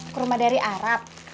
kurma dari arab